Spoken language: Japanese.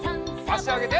あしあげて。